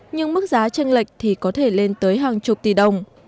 nhưng mức giá tranh lệch thì có thể lên tới hàng chục tỷ đồng